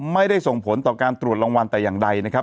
ไม่ได้ส่งผลต่อการตรวจรางวัลแต่อย่างใดนะครับ